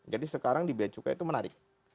jadi sekarang di biaya cukainya itu menarik